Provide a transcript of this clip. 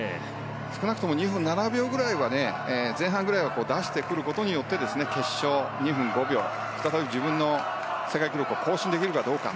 少なくとも２分７秒前半くらいを出してくることによって決勝は２分５秒再び自分の世界記録を更新できるかどうか。